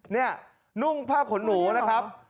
นี่นุ่งผ้าขนหนูนะครับ